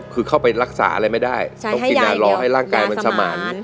คือเข้าไปรักษาอะไรไม่ได้ต้องกินรอให้ร่างกายมันสมาน